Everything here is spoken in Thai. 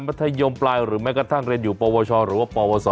ธยมปลายหรือแม้กระทั่งเรียนอยู่ปวชหรือว่าปวส